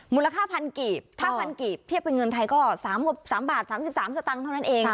ค่าพันกีบถ้าพันกีบเทียบเป็นเงินไทยก็๓บาท๓๓สตางค์เท่านั้นเอง